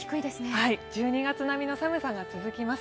１２月並みの寒さが続きます。